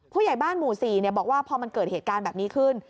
ผู้ใหญ่บ้านหมู่๔บอกว่าพอมันเกิดเหตุการณ์แบบนี้ขึ้น